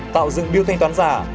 tạo dựng biêu thanh toán giả